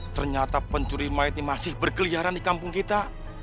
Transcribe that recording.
ternyata pencuri mayat ini masih berkeliaran di kampung kita